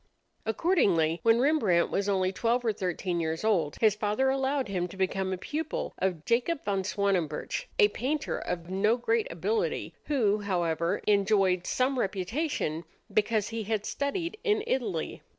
Accordingly, when Rembrandt was only twelve or thirteen years old, his father allowed him to become a pupil of Jacob van Swanenburch, a painter of no great ability, who, however, enjoyed some reputation because he had studied in Italy.